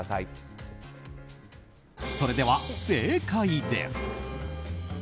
それでは正解です。